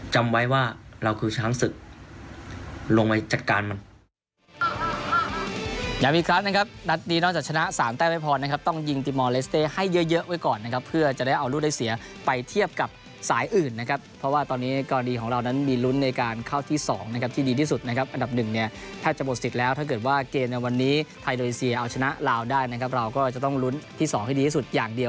จำไว้ว่าเราคือช้างศึกลงไปจัดการมัน